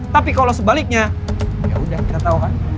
tapi kalau sebaliknya ya udah kita tahu kan